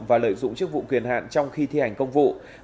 và lợi dụng chức vụ quyền hạn trong khi thi hành công vụ